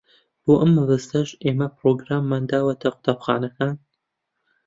بۆ ئەو مەبەستەش ئێمە پرۆگراممان داوەتە قوتابخانەکان.